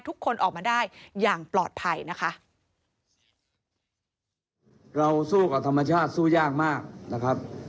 ทุกคนออกมาได้อย่างปลอดภัยนะคะ